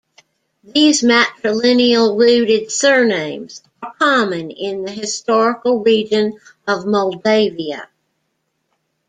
These matrilineal-rooted surnames are common in the historical region of Moldavia.